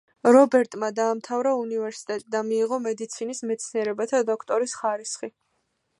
რობერტმა დაამთავრა უნივერსიტეტი და მიიღო მედიცინის მეცნიერებათა დოქტორის ხარისხი.